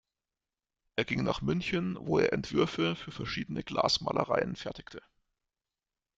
Er ging nach München, wo er Entwürfe für verschiedene Glasmalereien fertigte.